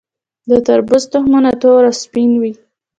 د تربوز تخمونه تور او سپین وي.